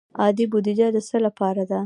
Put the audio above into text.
عادي بودجه د څه لپاره ده؟